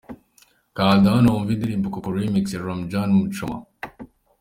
Kanda hano wumve indirimbo 'Coco remix' ya Ramjaane Muchoma.